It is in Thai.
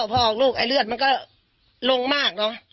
พอออกลูกไอ้เลือดมันก็ลงมากเนอะ